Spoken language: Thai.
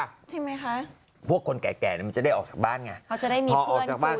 ใช่ไหมคะพวกคนแก่แก่น่ะมันจะได้ออกจากบ้านไงเขาจะได้มีเพื่อนคุย